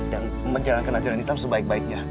dan menjalankan ajaran islam sebaik baiknya